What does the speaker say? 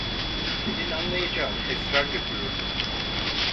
Senin anlayacağın esrar götürürdü.